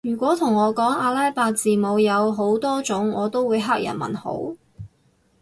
如果同我講阿拉伯字母有好多種我都會黑人問號